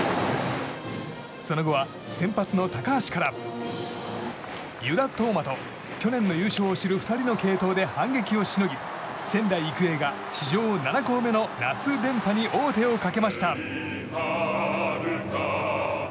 その後は先発の高橋から湯田統真と去年の優勝を知る２人の継投で反撃をしのぎ仙台育英が史上７校目の夏連覇に王手をかけました。